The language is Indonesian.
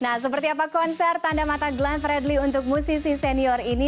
nah seperti apa konser tanda mata glenn fredly untuk musisi senior ini